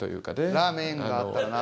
ラーメンがあったらなあ。